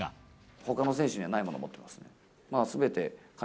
ほかの選手にはないものを持ってますね。